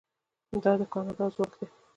دا د کاناډا ځواک دی.